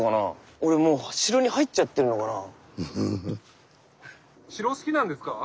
俺もう城に入っちゃってんのかなあ。